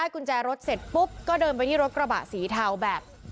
กุญแจรถเสร็จปุ๊บก็เดินไปที่รถกระบะสีเทาแบบ